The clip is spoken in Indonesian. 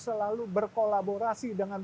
selalu berkolaborasi dengan